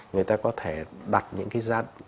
người ta có thể đặt những cái da